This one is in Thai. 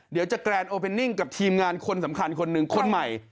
เดี๋ยวจะแกรนด์โอเปนนิ่งกับทีมงานคนสำคัญคนหนึ่งคนใหม่